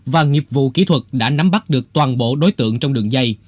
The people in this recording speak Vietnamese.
và nghiệp vụ kỹ thuật đã nắm bắt được toàn bộ đối tượng trong đường dây